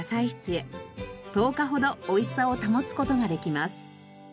１０日ほど美味しさを保つ事ができます。